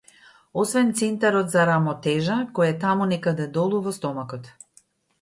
Освен центарот за рамотежа, кој е таму некаде долу, во стомакот.